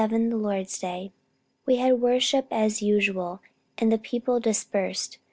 Lord's day. We had worship as usual and the people dispersed.